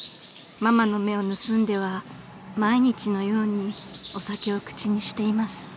［ママの目を盗んでは毎日のようにお酒を口にしています］